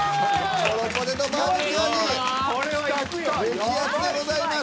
激アツでございます。